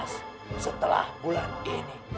setelah bulan ini